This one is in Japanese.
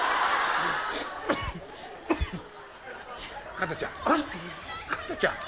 加トちゃん。